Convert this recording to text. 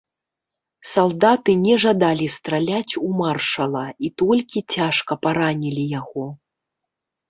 Салдаты не жадалі страляць у маршала і толькі цяжка паранілі яго.